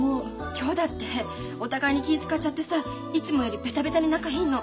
今日だってお互いに気ぃ遣っちゃってさいつもよりベタベタに仲いいの。